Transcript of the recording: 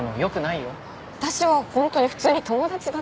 私はホントに普通に友達だと思って。